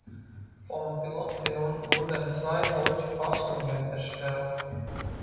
Vom Pilotfilm wurden zwei deutsche Fassungen erstellt.